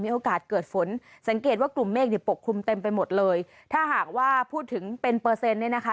โอกาสเกิดฝนสังเกตว่ากลุ่มเมฆเนี่ยปกคลุมเต็มไปหมดเลยถ้าหากว่าพูดถึงเป็นเปอร์เซ็นต์เนี่ยนะคะ